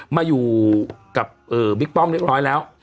มาอยู่กับบิ๊กป้อมเรียบร้อยแล้ว